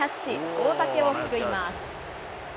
大竹を救います。